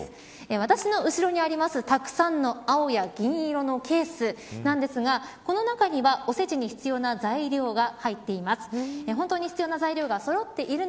私の後ろにあります、たくさんの青や銀色のケースなんですがこの中には、おせちに必要な材料が入っています。